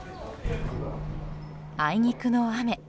あいにくの雨。